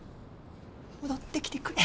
戻ってきてくれ。